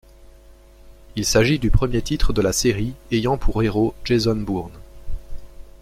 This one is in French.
Il s'agit du premier titre de la série ayant pour héros Jason Bourne.